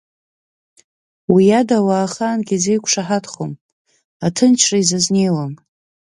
Уи ада ауаа ахаангьы изеиқәшаҳаҭхом аҭынчра изазнеиуам.